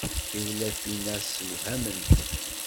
Tiwlafin-a ssewhament.